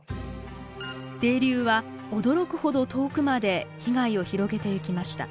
泥流は驚くほど遠くまで被害を広げていきました。